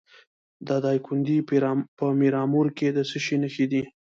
د دایکنډي په میرامور کې د څه شي نښې دي؟